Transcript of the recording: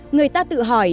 người ta tự hỏi